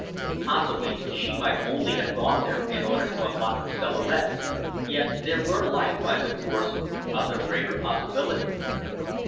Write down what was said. Possibly she might only have gone there in order to unlock the cellarette, yet there were likewise, of course, other graver possibilities.